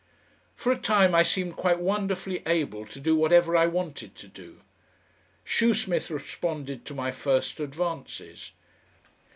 For a time I seemed quite wonderfully able to do whatever I wanted to do. Shoesmith responded to my first advances.